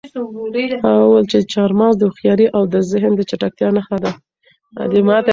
هغه وویل چې چهارمغز د هوښیارۍ او د ذهن د چټکتیا نښه ده.